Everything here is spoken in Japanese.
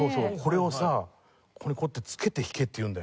ここにこうやってつけて弾けっていうんだよ。